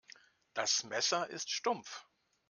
Das Messer ist stumpf.